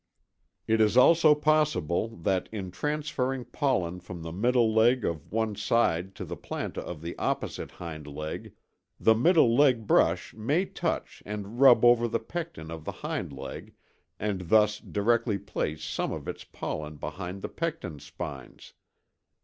It is also possible that, in transferring pollen from the middle leg of one side to the planta of the opposite hind leg, the middle leg brush may touch and rub over the pecten of the hind leg and thus directly place some of its pollen behind the pecten spines.